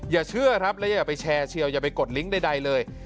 อย่าเชื่อครับแล้วอย่าไปแชร์เชียวอย่าไปกดลิงก์ใดเลย